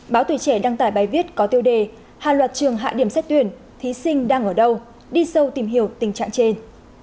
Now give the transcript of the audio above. báo tùy trẻ đăng tải bài viết có tiêu đề hàng loạt trường hạ điểm xét tuyển thí sinh đang ở đâu đi sâu tìm hiểu tình trạng trên